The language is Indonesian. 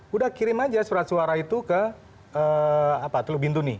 sudah kirim aja surat suara itu ke teluk bintuni